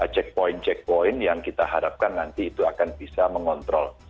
checkpoint checkpoint yang kita harapkan nanti itu akan bisa mengontrol